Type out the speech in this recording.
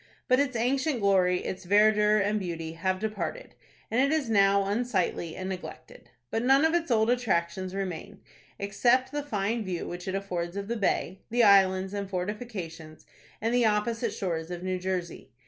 But its ancient glory, its verdure and beauty, have departed, and it is now unsightly and neglected. None of its old attractions remain, except the fine view which it affords of the bay, the islands, and fortifications, and the opposite shores of New Jersey.